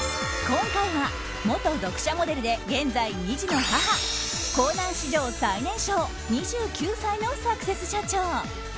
今回は、元読者モデルで現在２児の母コーナー史上最年少２９歳のサクセス社長。